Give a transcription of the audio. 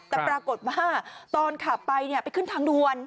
แต่ปรากฏว่าตอนขับไปไปขึ้นทางด่วน